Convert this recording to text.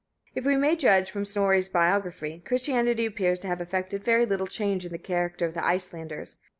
If we may judge from Snorre's biography, Christianity appears to have effected very little change in the character of the Icelanders.